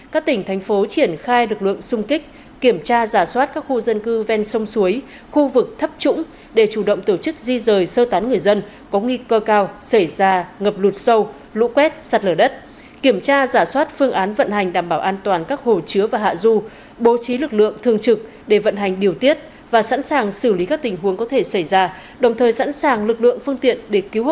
các tỉnh thành phố triển khai lực lượng xung kích kiểm tra giả soát các khu dân cư ven sông suối khu vực thấp trũng để chủ động tổ chức di rời sơ tán người dân có nghi cơ cao xảy ra ngập lụt sâu lũ quét sạt lửa đất kiểm tra giả soát phương án vận hành đảm bảo an toàn các hồ chứa và hạ du bố trí lực lượng thường trực để vận hành điều tiết và sẵn sàng xử lý các tình huống có thể xảy ra đồng thời sẵn sàng lực lượng phương tiện để cứu hộ cứu nạn khi có yêu cầu